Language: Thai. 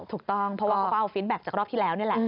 ถูกต้องเพราะว่าเขาก็เอาฟิตแบ็คจากรอบที่แล้วนี่แหละ